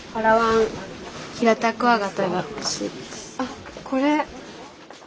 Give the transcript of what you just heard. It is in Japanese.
あっこれ。